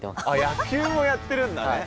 野球をやってるんだね。